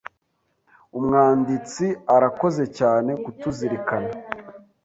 Umwanditsi arakoze cyane kutuzirikana.